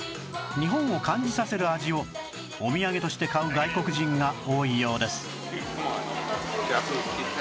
日本を感じさせる味をおみやげとして買う外国人が多いようです